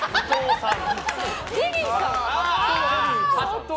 さん。